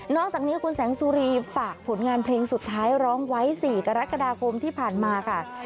จากนี้คุณแสงสุรีฝากผลงานเพลงสุดท้ายร้องไว้๔กรกฎาคมที่ผ่านมาค่ะ